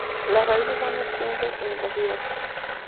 Las raíces son extensas e invasivas.